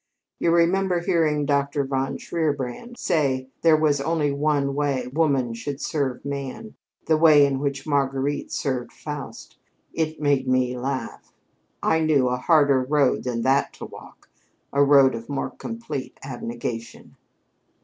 You remember hearing Dr. von Shierbrand say there was but one way woman should serve man the way in which Marguerite served Faust? It made me laugh. I knew a harder road than that to walk a road of more complete abnegation."